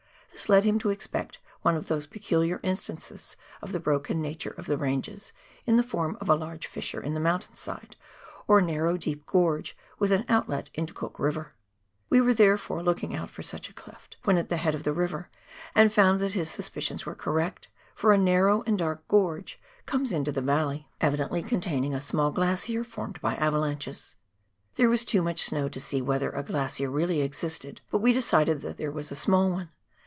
This led him to expect one of those peculiar instances of the broken nature of the ranges in the form of a large fissure in the mountain side, or narrow deep gorge with an outlet into Cook E iver. We were, therefore, looking out for such a cleft when at the head of the river, and found that his suspicions were correct, for a narrow and dark gorge comes into the valley, evidently 154 PIONEER WORK IN THE ALPS OF NEW ZEALAND. containing a small glacier formed by avalanches. There was too much snow to see whether a glacier really existed, but we decided that there was a small one.